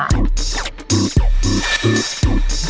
เป็นเหมือนอีกโลกหนึ่งเลยค่ะ